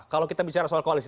kalau kita bicara soal koalisi